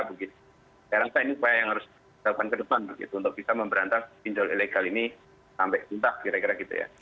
saya rasa ini upaya yang harus dilakukan ke depan begitu untuk bisa memberantas pinjol ilegal ini sampai tuntas kira kira gitu ya